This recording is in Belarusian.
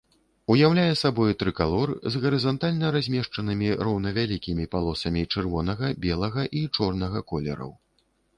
Уяўляе сабой трыкалор з гарызантальна размешчанымі роўнавялікімі палосамі чырвонага, белага і чорнага колераў.